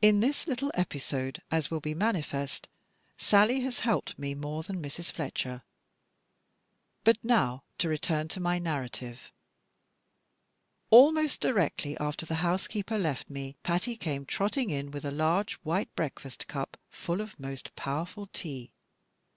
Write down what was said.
In this little episode, as will be manifest, Sally has helped me more than Mrs. Fletcher. But now, to return to my narrative. Almost directly after the housekeeper left me, Patty came trotting in with a large white breakfast cup full of most powerful tea.